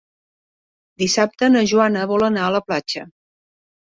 Dissabte na Joana vol anar a la platja.